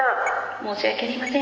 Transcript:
申し訳ありません